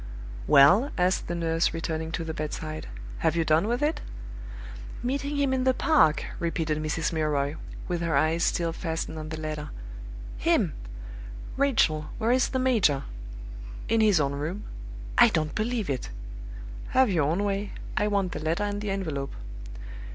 "Well?" asked the nurse, returning to the bedside. "Have you done with it?" "Meeting him in the park!" repeated Mrs. Milroy, with her eyes still fastened on the letter. "Him! Rachel, where is the major?" "In his own room." "I don't believe it!" "Have your own way. I want the letter and the envelope."